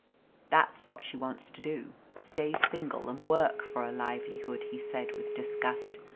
"That's what she wants to do — stay single and work for a livelihood," he said with dis gust.